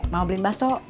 mau beli bakso